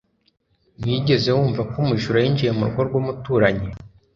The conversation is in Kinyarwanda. Wigeze wumva ko umujura yinjiye mu rugo rw'umuturanyi